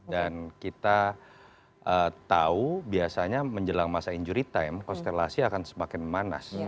dan kita tahu biasanya menjelang masa injury time konstelasi akan semakin manas